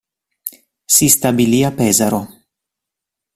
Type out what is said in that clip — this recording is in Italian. Si stabilì a Pesaro.